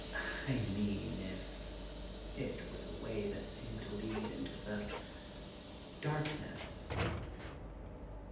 I mean, if it was a way that seemed to lead into the darkness